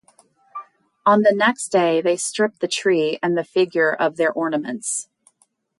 On the next day they strip the tree and the figure of their ornaments.